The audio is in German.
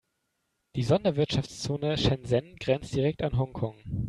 Die Sonderwirtschaftszone Shenzhen grenzt direkt an Hongkong.